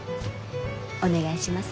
お願いします。